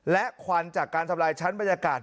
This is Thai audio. และควันจากการทำลายชั้นบรรยากาศ